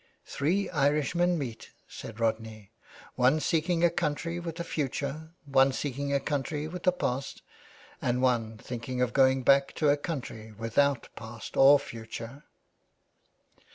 " Three Irishmen meet," said Rodney ;one seek ing a country with a future, one seeking a country with a past, and one thinking of going back to a country without past or future.''